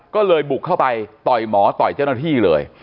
ก็เลยบุกเข้าไปต่อยหมอต่อยเจ้าหน้าที่เลย